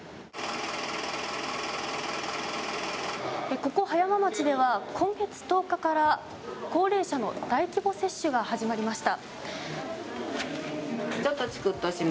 ここ、葉山町では今月１０日から高齢者の大規模接種が始まりました。